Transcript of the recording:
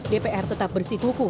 dpr tetap bersih kuku